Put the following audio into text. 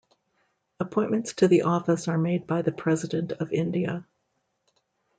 Appointments to the office are made by the President of India.